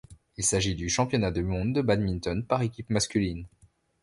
Il s'agit du Championnat du monde de badminton par équipes masculines.